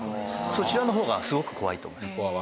そちらの方がすごく怖いと思います。